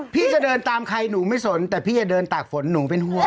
พี่จะเดินตามใครหนูไม่สนแต่พี่จะเดินตากฝนหนูเป็นห่วง